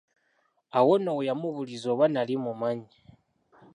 Awo nno we yamubuuliza oba nali mumanyi.